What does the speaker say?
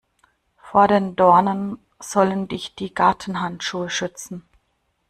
Vor den Dornen sollen dich die Gartenhandschuhe schützen.